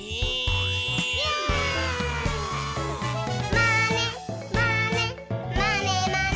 「まねまねまねまね」